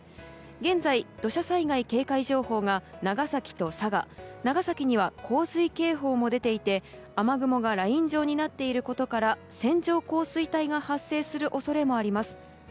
現在、土砂災害警戒情報が長崎と佐賀長崎には洪水警報も出ていて雨雲がライン状になっていることから線状降水帯が発生する恐れもあります。